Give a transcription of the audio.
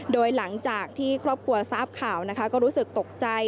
โดยหลังจากที่ครอบครัวทราบข่าวนะคะก็รู้สึกตกใจ